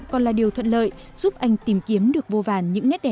có cái đứa mà lớn nhất